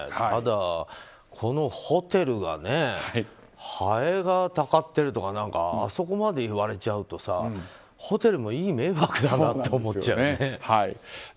ただ、このホテルがハエがたかっているとかあそこまでいわれちゃうとさホテルもいい迷惑だなって思っちゃうよね。